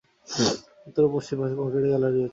উত্তর ও পশ্চিম অংশে কংক্রিটের গ্যালারি রয়েছে।